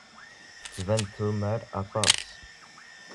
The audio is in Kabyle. Tettban-d tumar aṭas.